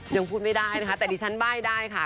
ยังพูดไม่ได้นะคะแต่ดิฉันใบ้ได้ค่ะ